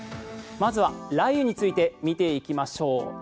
まずは雷雨について見ていきましょう。